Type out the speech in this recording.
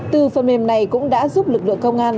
từ phần mềm này cũng đã giúp lực lượng công an